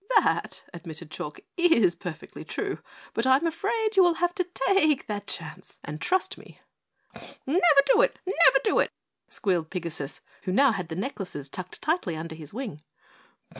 "That," admitted Chalk, "is perfectly true, but I am afraid you will have to take that chance and trust me." "Never do it! Never do it!" squealed Pigasus, who now had the necklaces tucked tightly under his wing.